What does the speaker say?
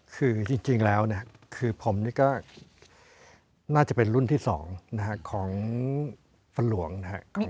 คือจริงแล้วคือผมนี่ก็น่าจะเป็นรุ่นที่๒ของฝนหลวงนะครับ